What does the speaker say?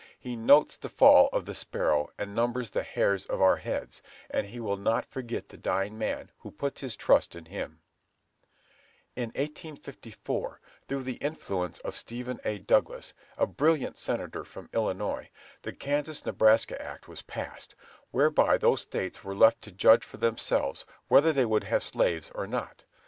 He notes the fall of the sparrow, and numbers the hairs of our heads; and He will not forget the dying man who puts his trust in Him." In 1854, through the influence of Stephen A. Douglas, a brilliant senator from Illinois, the Kansas Nebraska Act was passed, whereby those States were left to judge for themselves whether they would have slaves or not.